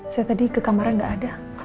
saya tadi ke kamar gak ada